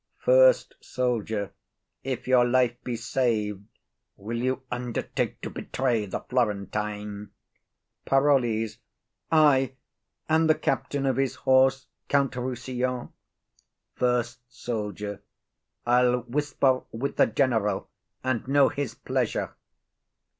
FIRST SOLDIER. If your life be saved, will you undertake to betray the Florentine? PAROLLES. Ay, and the captain of his horse, Count Rossillon. FIRST SOLDIER. I'll whisper with the general, and know his pleasure.